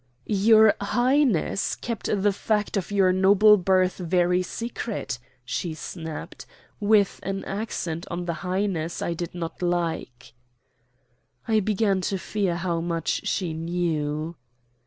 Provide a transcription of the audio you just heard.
"Your Highness kept the fact of your noble birth very secret," she snapped, with an accent on the "highness" I did not like. I began to fear how much she knew.